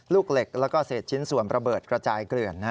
ลูกเหล็กแล้วก็เศษชิ้นส่วนระเบิดกระจายเกลื่อน